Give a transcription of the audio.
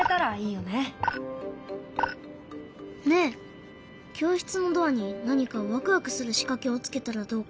ねえ教室のドアに何かワクワクするしかけをつけたらどうかな？